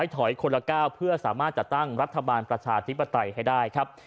ถอยคนละก้าวเพื่อสามารถจัดตั้งรัฐบาลประชาธิปไตยให้ได้ครับ